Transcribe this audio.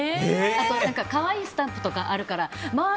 あと可愛いスタンプとかあるからもう！